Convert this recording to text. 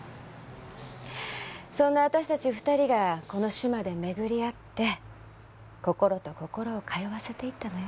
そんな私たち２人がこの志摩で巡り合って心と心を通わせていったのよ。